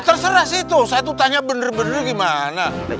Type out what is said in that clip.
terserah sih itu saya tuh tanya bener bener gimana